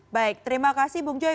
baik terima kasih bung joy